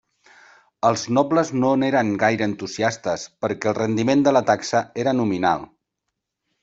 Els nobles no n'eren gaire entusiastes, perquè el rendiment de la taxa era nominal.